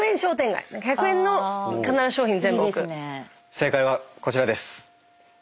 正解はこちらです。